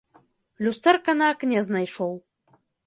Люстэрка на акне знайшоў.